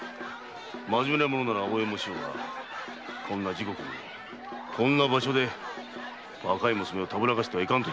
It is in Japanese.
まじめな者なら応援もしようがこんな時刻にこんな場所で若い娘をたぶらかしてはいかんと言っているのだ。